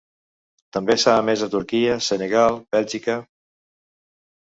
També s’ha emès a Turquia, Senegal, Bèlgica.